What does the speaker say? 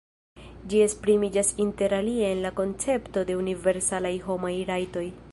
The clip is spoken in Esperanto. Ĝi esprimiĝas interalie en la koncepto de universalaj homaj rajtoj.